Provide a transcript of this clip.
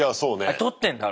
撮ってんだろうね